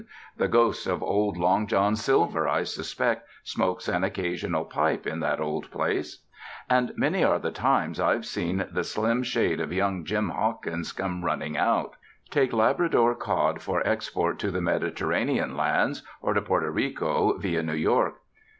The ghost of old Long John Silver, I suspect, smokes an occasional pipe in that old place. And many are the times I've seen the slim shade of young Jim Hawkins come running out. Take Labrador cod for export to the Mediterranean lands or to Porto Rico via New York.